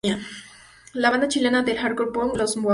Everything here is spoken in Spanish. La banda chilena de hardcore punk "Los Mox!